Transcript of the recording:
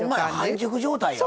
半熟状態や！